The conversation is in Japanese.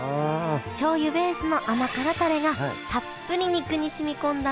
しょうゆベースの甘辛タレがたっぷり肉に染み込んだ濃厚な味。